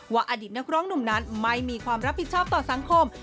อดีตนักร้องหนุ่มนั้นไม่มีความรับผิดชอบต่อสังคม